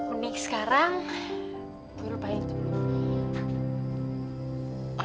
unik sekarang gue lupain dulu